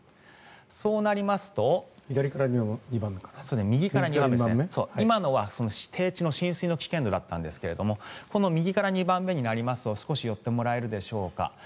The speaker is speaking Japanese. そうなりますと今のは低地の浸水の危険度だったんですがこの右から２番目になりますと少し寄ってもらえますでしょうか